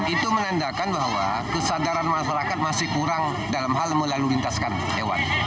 itu menandakan bahwa kesadaran masyarakat masih kurang dalam hal melalui lintaskan hewan